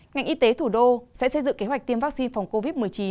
ngành y tế thủ đô sẽ xây dựng kế hoạch tiêm vaccine phòng covid một mươi chín